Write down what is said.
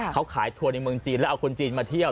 เขาขายทัวร์ในเมืองจีนแล้วเอาคนจีนมาเที่ยว